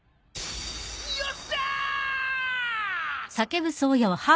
よっしゃ！